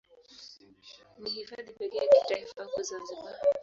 Ni Hifadhi pekee ya kitaifa huko Zanzibar.